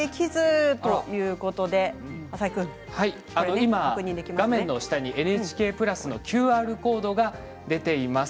今、画面の下にＮＨＫプラスのＱＲコードが出ています。